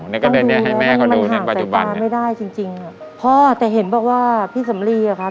นี่ก็ได้เนี้ยให้แม่เขาดูในปัจจุบันมาไม่ได้จริงจริงพ่อแต่เห็นบอกว่าพี่สำลีอ่ะครับ